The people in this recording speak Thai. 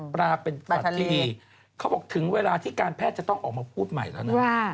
ปลาเป็นสัตว์ที่ดีเขาบอกถึงเวลาที่การแพทย์จะต้องออกมาพูดใหม่แล้วนะ